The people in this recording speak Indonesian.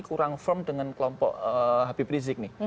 kurang firm dengan kelompok habib rizik nih